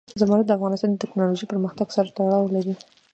زمرد د افغانستان د تکنالوژۍ پرمختګ سره تړاو لري.